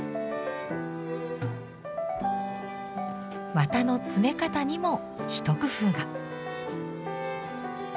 綿の詰め方にも一工夫が。